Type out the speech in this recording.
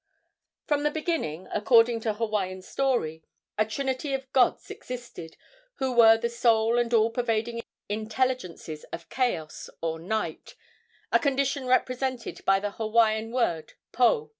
From the beginning, according to Hawaiian story, a trinity of gods existed, who were the sole and all pervading intelligences of chaos, or night a condition represented by the Hawaiian word Po.